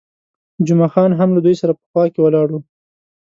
جمعه خان هم له دوی سره په خوا کې ولاړ وو.